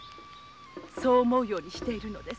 そう思うようにしているのです。